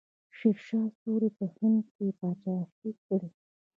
شیرشاه سوري په هند کې پاچاهي کړې.